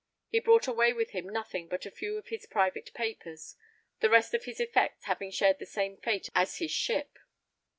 He brought away with him nothing but a few of his private papers, the rest of his effects having shared the same fate as his ship.